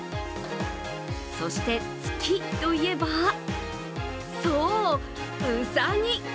そして、月といえば、そう、うさぎ。